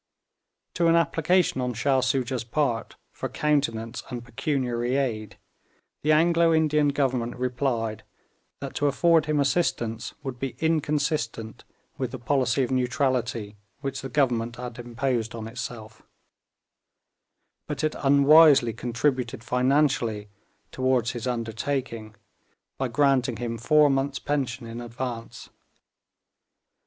To an application on Shah Soojah's part for countenance and pecuniary aid, the Anglo Indian Government replied that to afford him assistance would be inconsistent with the policy of neutrality which the Government had imposed on itself; but it unwisely contributed financially toward his undertaking by granting him four months' pension in advance.